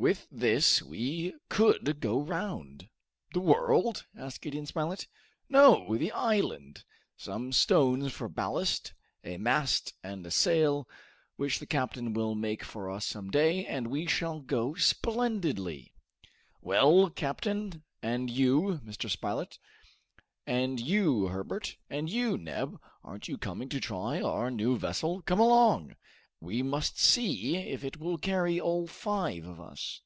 "With this we could go round " "The world?" asked Gideon Spilett. "No, the island. Some stones for ballast, a mast and a sail, which the captain will make for us some day, and we shall go splendidly! Well, captain and you, Mr. Spilett; and you, Herbert; and you, Neb aren't you coming to try our new vessel? Come along! we must see if it will carry all five of us!"